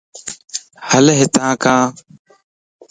ھلَ ھتان ڪان